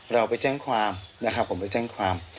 เราไปแจ้งความนะครับผมไปแจ้งความ